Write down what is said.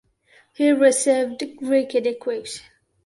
He received Greek education.